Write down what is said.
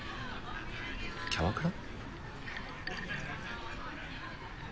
キャバクラ？